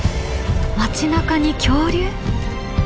街なかに恐竜！？